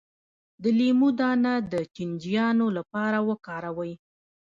د لیمو دانه د چینجیانو لپاره وکاروئ